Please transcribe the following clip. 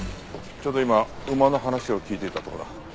ちょうど今馬の話を聞いていたとこだ。